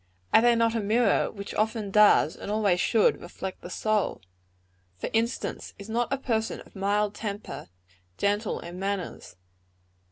Are they not a mirror which often does, and always should, reflect the soul? For instance, is not a person of mild temper, gentle in manners?